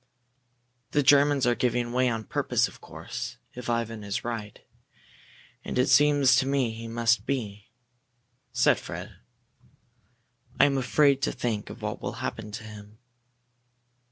"The Germans are giving way on purpose, of course, if Ivan is right and it seems to me he must be," said Fred. "I am afraid to think of what will happen to him."